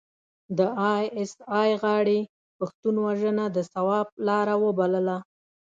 د ای اس ای غاړې پښتون وژنه د ثواب لاره وبلله.